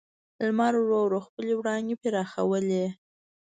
لمر ورو ورو خپلې وړانګې پراخولې.